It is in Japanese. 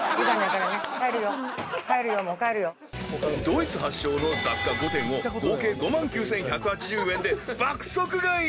［ドイツ発祥の雑貨５点を合計５万９，１８０円で爆即買い］